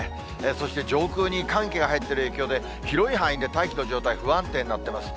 そして上空に寒気が入っている影響で、広い範囲で大気の状態不安定になってます。